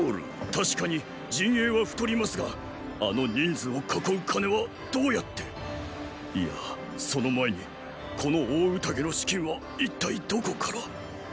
確かに陣営は太りますがあの人数を囲う金はどうやって⁉いやその前にこの大宴の資金は一体どこから。